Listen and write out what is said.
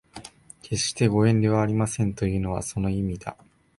決してご遠慮はありませんというのはその意味だ